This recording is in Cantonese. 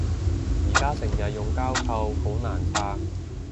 而家成日用膠扣好難拆